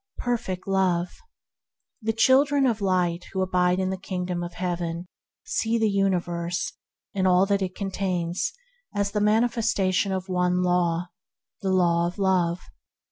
PERFECT LOVE r_ |~ A HE Children of Light, who abide in the ■ Kingdom of Heaven, see the universe and all that it contains as the manifestation of one Law — the Law of Love.